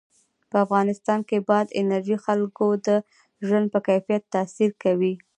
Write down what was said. په افغانستان کې بادي انرژي د خلکو د ژوند په کیفیت تاثیر کوي.